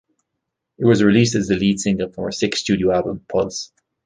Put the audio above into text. It was released as the lead single from her sixth studio album "Pulse".